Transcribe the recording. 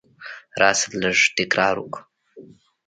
راسه! لږ تکرار وکو.